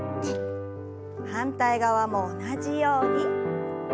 反対側も同じように。